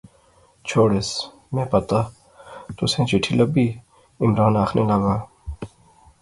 چھوڑیس، میں پتہ، تسیں چٹھی لبی، عمران آخنے لاغآ